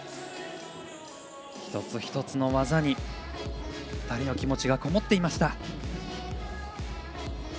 一つ一つの技に２人の気持ちがこもっていました。